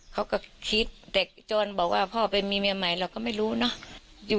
เขาก็คิดเด็กจนบอกว่าพ่อไปมีเมียใหม่เราก็ไม่รู้เนอะ